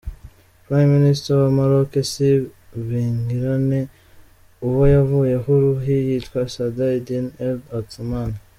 Prime minister wa Maroc si Benkirane uwo yavuyeho, urihi yitwa Saad Eddine El Othmani.